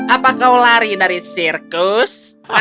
apa kau lari dari sirkus